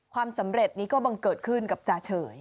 ความสำเร็จนี้ก็บังเกิดขึ้นกับจาเฉย